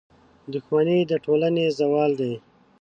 • دښمني د ټولنې زوال دی.